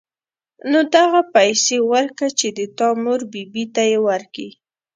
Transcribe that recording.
نو دغه پيسې ورکه چې د تا مور بي بي ته يې ورکي.